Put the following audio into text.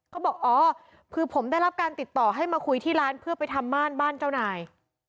บอกอ๋อคือผมได้รับการติดต่อให้มาคุยที่ร้านเพื่อไปทำม่านบ้านเจ้านาย